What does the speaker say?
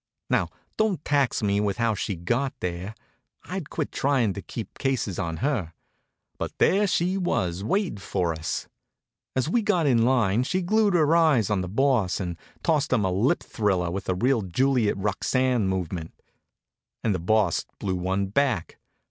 Now don't tax me with how she got there. I'd quit trying to keep cases on her. But there she was waiting for us. As we got in line she glued her eyes on the Boss and tossed him a lip thriller with a real Juliet Roxane movement. And the Boss blew one back.